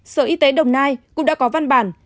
sở y tế đồng nai cũng đã có văn bản